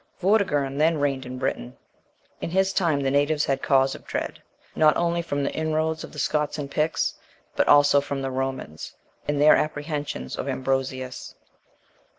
Vortigern then reigned in Britain. In his time, the natives had cause of dread, not only from the inroads of the Scots and Picts, but also from the Romans, and their apprehensions of Ambrosius.